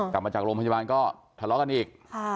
กลับมาจากโรงพัฒนธรรมก็ทะเลาะกันอีก